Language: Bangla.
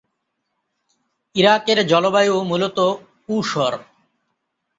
ইরাকের জলবায়ু মূলত ঊষর।